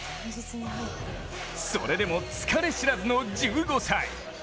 それでも疲れ知らずの１５歳。